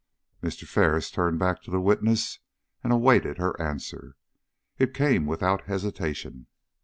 Mr. Ferris turned back to the witness and awaited her answer. It came without hesitation.